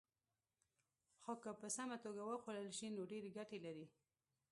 خو که په سمه توګه وخوړل شي، نو ډېرې ګټې لري.